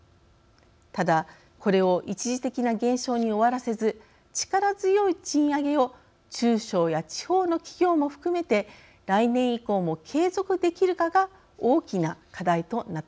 ただこれを一時的な現象に終わらせず力強い賃上げを中小や地方の企業も含めて来年以降も継続できるかが大きな課題となっています。